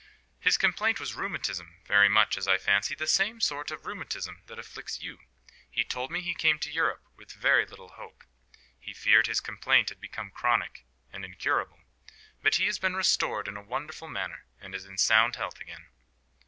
"His complaint was rheumatism, very much, as I fancy, the same sort of rheumatism that afflicts you. He told me he came to Europe with very little hope: he feared his complaint had become chronic and incurable. But he has been restored in a wonderful manner, and is in sound health again."